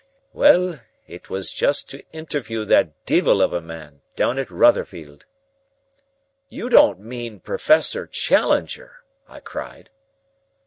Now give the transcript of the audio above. "Well, it was just to interview that deevil of a man down at Rotherfield." "You don't mean Professor Challenger?" I cried.